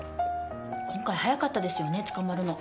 今回早かったですよね捕まるの。